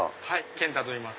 健太といいます。